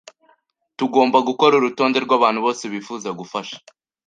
Tugomba gukora urutonde rwabantu bose bifuza gufasha